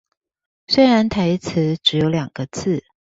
雖然台詞只有兩個字